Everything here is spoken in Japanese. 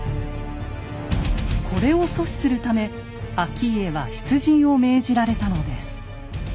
これを阻止するため顕家は出陣を命じられたのです。